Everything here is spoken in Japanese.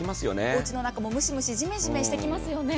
おうちの中もムシムシ、ジメジメしてきまよね。